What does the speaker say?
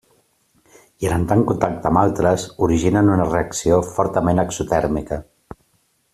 I en entrar en contacte amb altres originen una reacció fortament exotèrmica.